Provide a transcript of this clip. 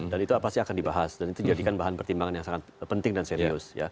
dan itu pasti akan dibahas dan itu jadikan bahan pertimbangan yang sangat penting dan serius